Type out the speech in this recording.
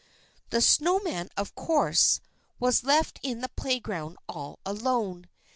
The snow man, of course, was left in the playground all alone.